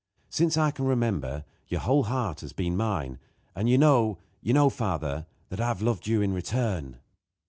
Since I can remember your whole heart has been mine; and you know, you know, father, that I have loved you in return."